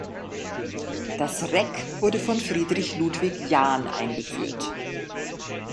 Das Reck wurde von Friedrich Ludwig Jahn eingeführt.